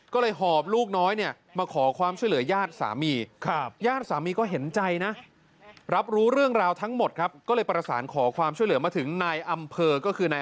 ก็เลยหอบลูกน้อยเนี่ยมาขอความช่วยเหลือยาดสามี